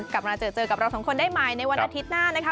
กลับมาเจอเจอกับเราสองคนได้ใหม่ในวันอาทิตย์หน้านะคะ